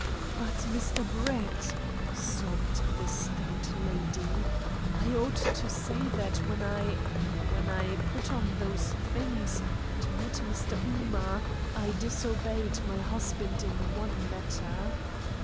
"But, Mr. Brett," sobbed the stout lady, "I ought to say that when I when I put on those things and met Mr. Ooma, I disobeyed my husband in one matter.